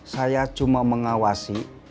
saya cuma mengawasi